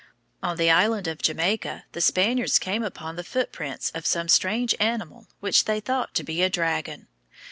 On the island of Jamaica the Spaniards came upon the footprints of some strange animal which they thought to be a dragon.